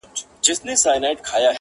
عمر تېر سو کفن کښ د خدای په کار سو،